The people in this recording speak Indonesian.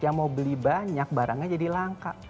yang mau beli banyak barangnya jadi langka